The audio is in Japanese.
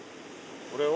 これを？